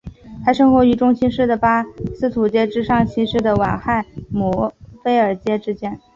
它生活于中新世的巴斯图阶至上新世的晚亥姆菲尔阶之间。